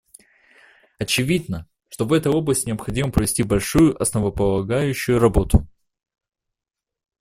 Очевидно, что в этой области необходимо провести большую основополагающую работу.